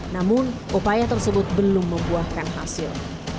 namun upaya tersebut belum membuahkan hasil